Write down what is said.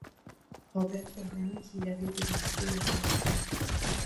Robert Derlin qui l'avait dénoncé est relaxé.